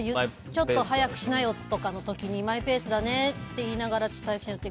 ちょっと早くしなきゃの時にマイペースだねって言いながら早くしなよって。